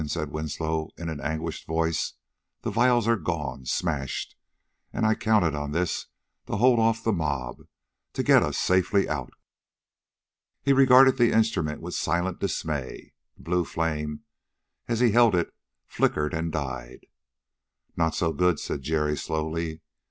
said Winslow in an anguished voice. "The vials are gone smashed! And I counted on this to hold off the mob, to get us safely out...." He regarded the instrument with silent dismay. The blue flame, as he held it, flickered and died. "Not so good!" said Jerry slowly.